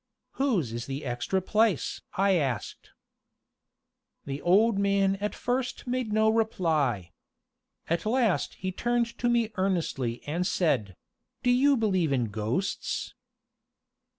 "Whose is the extra place?" I asked. The old man at first made no reply. At last he turned to me earnestly and said: "Do you believe in ghosts?"